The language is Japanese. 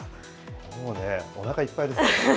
もうね、おなかいっぱいですよ。